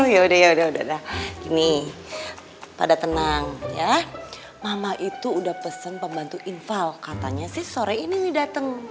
ya udah ya udah gini pada tenang ya mama itu udah pesen pembantu infal katanya sih sore ini dateng